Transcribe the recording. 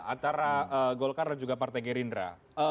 antara golkar dan juga partai gerindra